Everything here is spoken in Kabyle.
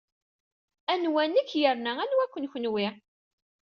Anwa nekk yerna anwa-ken kenwi?